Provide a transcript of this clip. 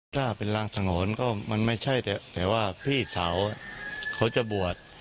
ถ้าเป็นรางถนนก็มันไม่ใช่แต่ว่าพี่สาวเขาจะบวช